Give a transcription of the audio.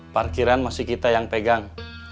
parkiran masih kita yang pegang